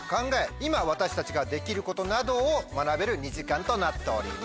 今私たちができることなどを学べる２時間となっております。